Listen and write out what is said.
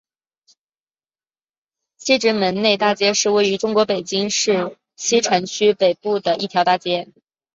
西直门内大街是位于中国北京市西城区北部的一条大街。